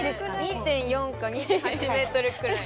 ２．４か２．８ｍくらい。